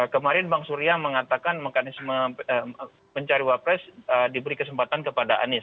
kemarin bang surya mengatakan mekanisme mencari wapres diberi kesempatan kepada anies